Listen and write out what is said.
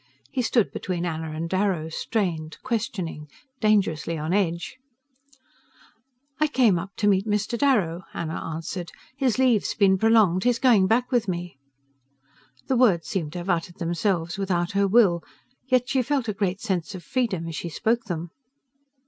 He stood between Anna and Darrow, strained, questioning, dangerously on edge. "I came up to meet Mr. Darrow," Anna answered. "His leave's been prolonged he's going back with me." The words seemed to have uttered themselves without her will, yet she felt a great sense of freedom as she spoke them.